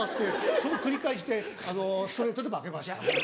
その繰り返しでストレートで負けましたね。